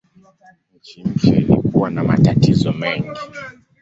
Nchi mpya ilikuwa na matatizo mengi.